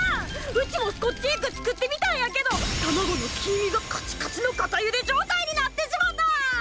うちもスコッチエッグ作ってみたんやけど卵の黄身がカチカチの固ゆで状態になってしもた！